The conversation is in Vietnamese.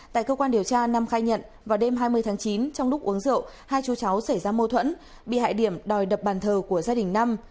tại cơ quan điều tra nam khai nhận vào đêm hai mươi tháng chín trong lúc uống rượu hai chú cháu xảy ra mâu thuẫn bị hại điểm đòi đập bàn thờ của gia đình năm